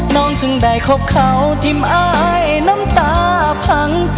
น้องจึงได้คบเขาทิ้มอายน้ำตาพัง